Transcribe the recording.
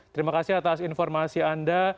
terima kasih atas informasi anda